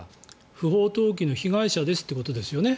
不法投棄の被害者ですということですよね。